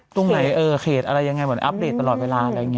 ตรงไหนเขตอะไรยังไงเหมือนอัปเดตตลอดเวลาอะไรอย่างนี้